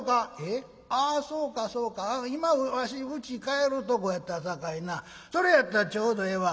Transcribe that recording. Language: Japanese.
「えああそうかそうか今わしうち帰るとこやったさかいなそれやったらちょうどええわ。